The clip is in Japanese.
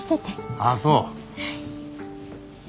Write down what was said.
ああそう。